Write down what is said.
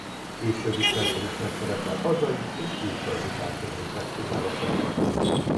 Később is rendszeresen szerepel hazai és külföldi tánczenei fesztiválokon.